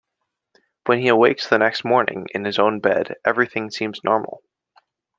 When he awakes the next morning, in his own bed, everything seems normal.